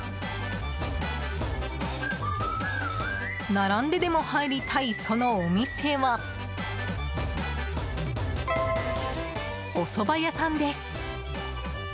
並んででも入りたいそのお店は、おそば屋さんです。